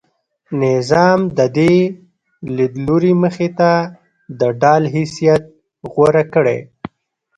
نظام د دې لیدلوري مخې ته د ډال حیثیت غوره کړی.